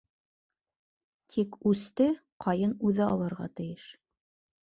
Тик үсте ҡайын үҙе алырға тейеш.